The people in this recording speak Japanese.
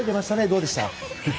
どうでした？